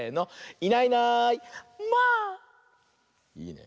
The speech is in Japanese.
いいね。